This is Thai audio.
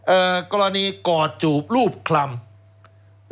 แล้วเขาก็ใช้วิธีการเหมือนกับในการ์ตูน